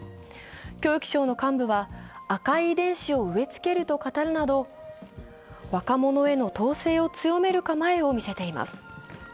教育省の幹部は紅い遺伝子を植え付けると語るなど若者への統制を強める構えをみせています。